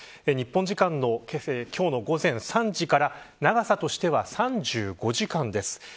日本時間の今日の午前３時から長さとしては３５時間です。